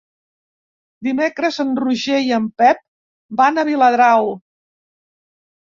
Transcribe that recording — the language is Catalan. Dimecres en Roger i en Pep van a Viladrau.